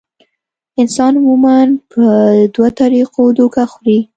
انسان عموماً پۀ دوه طريقو دوکه خوري -